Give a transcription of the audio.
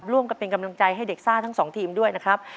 ร่วมกันเป็นกำลังใจให้เด็กซ่าทั้งสองทีมด้วยนะครับ